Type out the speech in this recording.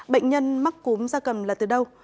bệnh nhân mắc cúm da cầm là từ đâu